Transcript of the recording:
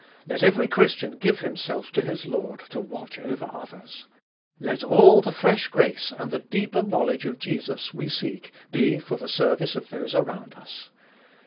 Let every Christian give himself to his Lord to watch over others : let all the fresh grace and the deeper knowledge of Jesus we seek be for the service of those around us.